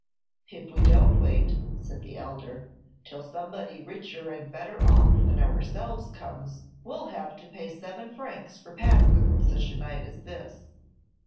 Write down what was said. "If we don't wait," said the elder, "till somebody richer and better off than ourselves comes, we 'll have to pay seven francs for passin' in such a night as this."